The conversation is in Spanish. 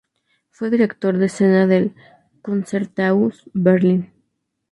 Fue director de escena del Konzerthaus Berlin.